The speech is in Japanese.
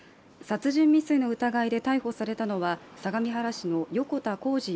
殺人未遂の疑いで逮捕されたのは相模原市の横田光司